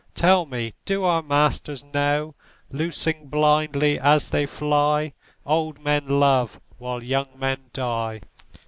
Tell me, do our masters know, Loosing blindly as they fly, Old men love while young men die?